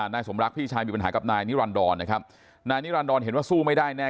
นายสมรักพี่ชายมีปัญหากับนายนิรันดรนะครับนายนิรันดรเห็นว่าสู้ไม่ได้แน่